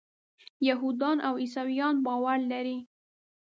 یهودان او عیسویان باور لري.